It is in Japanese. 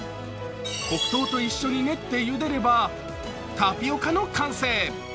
黒糖と一緒に練ってゆでればタピオカの完成。